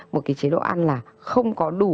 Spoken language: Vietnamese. một cái chế độ ăn là không có đủ